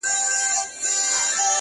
• په مالت کي خاموشي سوه وخت د جام سو -